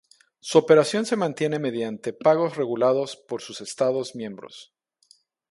Su operación se mantiene mediante pagos regulados por sus Estados miembros.